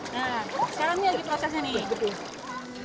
nah sekarang ini lagi prosesnya nih gedung